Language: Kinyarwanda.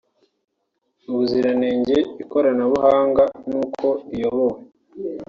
ubuziranenge ikoranabuhanga n’uko iyobowe